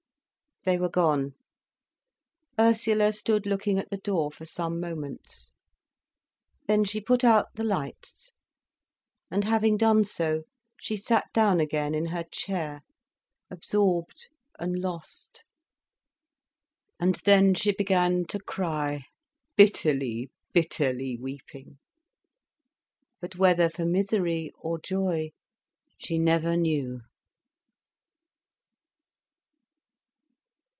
They were gone. Ursula stood looking at the door for some moments. Then she put out the lights. And having done so, she sat down again in her chair, absorbed and lost. And then she began to cry, bitterly, bitterly weeping: but whether for misery or joy, she never knew.